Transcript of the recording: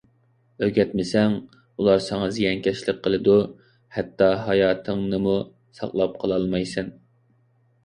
ئۆگەتمىسەڭ، ئۇلار ساڭا زىيانكەشلىك قىلىدۇ. ھەتتا ھاياتىڭنىمۇ ساقلاپ قالالمايسەن.